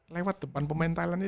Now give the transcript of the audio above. lewat depan pemain thailandnya